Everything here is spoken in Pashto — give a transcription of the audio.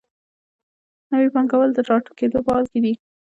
نوي پانګوال د راټوکېدو په حال کې دي.